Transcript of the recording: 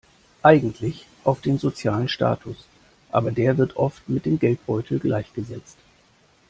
Eigentlich auf den sozialen Status, aber der wird oft mit dem Geldbeutel gleichgesetzt.